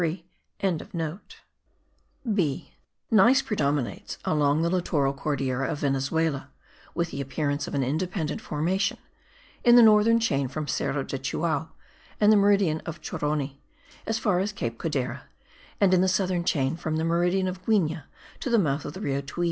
(b) GNEISS predominates along the littoral Cordillera of Venezuela, with the appearance of an independent formation, in the northern chain from Cerro del Chuao, and the meridian of Choroni, as far as Cape Codera; and in the southern chain, from the meridian of Guigne to the mouth of the Rio Tuy.